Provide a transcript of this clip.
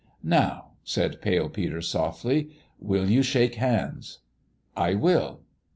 "Now," said Pale Peter, softly, "will you shake hands?" " I will."